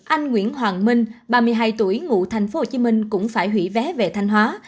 anh nguyễn hoàng minh ba mươi hai tuổi ngụ thành phố hồ chí minh cũng phải hủy vé về thanh hóa